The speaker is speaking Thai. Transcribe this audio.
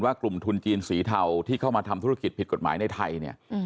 กลุ่มทุนจีนสีเทาที่เข้ามาทำธุรกิจผิดกฎหมายในไทยเนี่ย